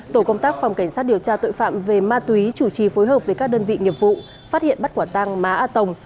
tổ công tác phòng cảnh sát điều tra tội phạm về ma túy chủ trì phối hợp với các đơn vị nghiệp vụ phát hiện bắt quả tang má a tổng